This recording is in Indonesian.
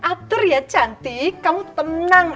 after ya cantik kamu tenang